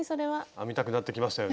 編みたくなってきましたよね。